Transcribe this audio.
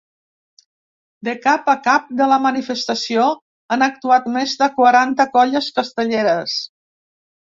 De cap a cap de la manifestació han actuat més de quaranta colles castelleres.